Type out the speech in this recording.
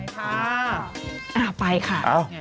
ไปค่ะอ่าไปค่ะอ้าว